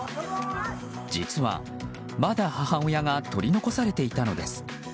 実は、まだ母親が取り残されていたのです。